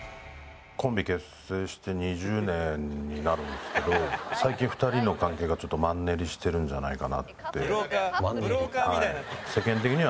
コンビ結成して２０年になるんですけど最近２人の関係がちょっとマンネリしてるんじゃないかなって。